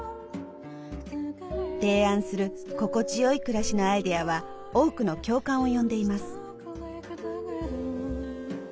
提案する心地良い暮らしのアイデアは多くの共感を呼んでいます。